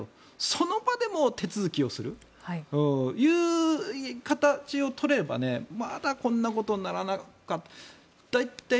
その場で手続きをするという形を取ればまだこんなことにならなかった。